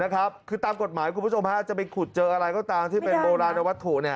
คือตามกฎหมายคุณผู้ชมจะไปขุดเจออะไรก็ตามที่เป็นโบราณวัตถุ